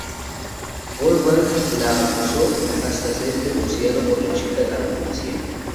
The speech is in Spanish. Wolfgang la acosó hasta ser denunciado por la chica a la policía.